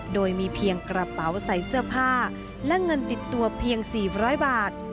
โดยมีเพียงกระเป๋าใส่เสื้อผ้าและเงินติดตัวเพียง๔๐๐บาท